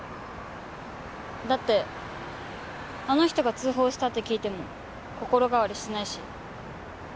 だってあの人が通報したって聞いても心変わりしないし。